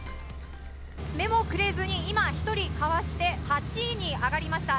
目もくれずに今、１人かわして、８位に上がりました。